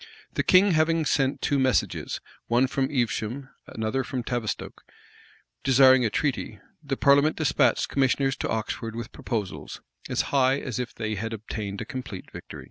The king having sent two messages, one from Evesham,[*] another from Tavistoke,[] desiring a treaty, the parliament despatched commissioners to Oxford with proposals, as high as if they had obtained a complete victory.